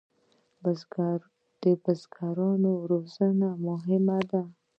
د بزګرانو روزنه مهمه ده